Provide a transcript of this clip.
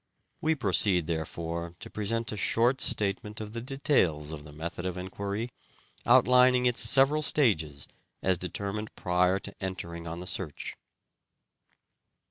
We proceed, therefore, to present a short statement of the details of the method of enquiry, outlining its several stages as determined prior to entering on the search.